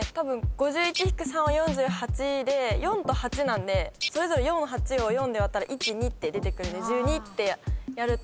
５１−３は４８で４と８なんでそれぞれ４・８を４で割ったら１・２って出てくるんで「１２」ってやると。